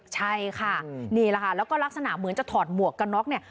ใช่ค่ะนี่แหละค่ะแล้วก็ลักษณะเหมือนจะถอดหมวกกันน็อกเนี่ย